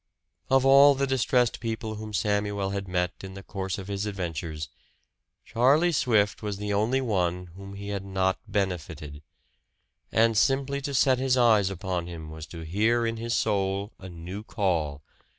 Of all the distressed people whom Samuel had met in the course of his adventures, Charlie Swift was the only one whom he had not benefited. And simply to set eyes upon him was to hear in his soul a new call.